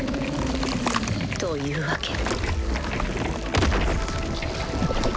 というわけ。